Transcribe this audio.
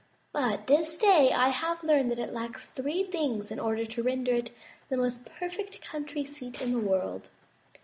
But this day I have learned that it lacks three things in order to render it the most perfect country seat in the world.